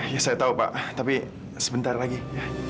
ya saya tau pak tapi sebentar lagi ya